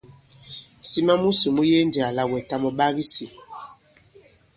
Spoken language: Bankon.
Ŋ̀sìma musò mu yege ndī àlà wɛ̀tàm ɔ̀ ɓak i sī.